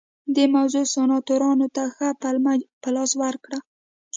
دې موضوع سناتورانو ته ښه پلمه په لاس ورکړه